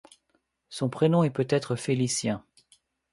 Son prénom est peut-être Félicien.